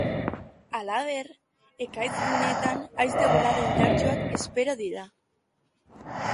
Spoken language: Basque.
Halaber, ekaitz guneetan haize bolada indartsuak espero dira.